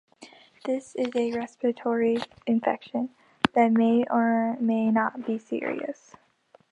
This is a respiratory infection that may or may not be serious.